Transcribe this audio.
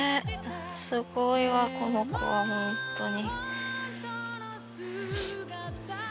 すごいわこの子はホントに。